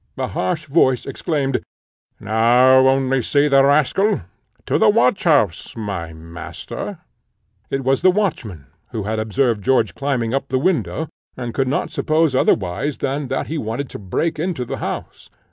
A harsh voice exclaimed "Now only see the rascal! To the watch house, my master!" It was the watchman who had observed George climbing up the window, and could not suppose otherwise than that he wanted to break into the house.